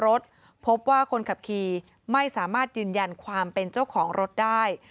รถพบว่าคนขับขี่ไม่สามารถยืนยันความเป็นเจ้าของรถได้